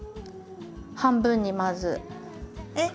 半分にまず。えっ？